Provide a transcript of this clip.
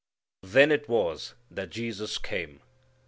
Then it was that Jesus came.